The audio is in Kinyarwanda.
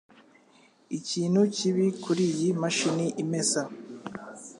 Ikintu kibi kuriyi mashini imesa.